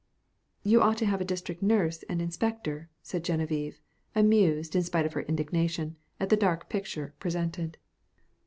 "You ought to have a district nurse and inspector/' said Geneviève, amused, in spite of her indignation, at the dark picture presented.